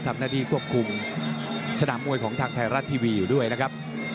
ทำหน้าที่ควบคุมสนามมวยของทางไทยรัฐทีวีอยู่ด้วยนะครับ